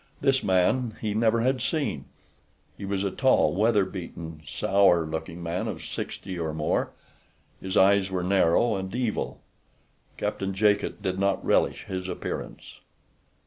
This man he never had seen. He was a tall, weather beaten, sour looking man of sixty or more. His eyes were narrow and evil. Captain Jacot did not relish his appearance.